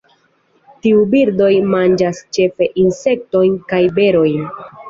Tiuj birdoj manĝas ĉefe insektojn kaj berojn.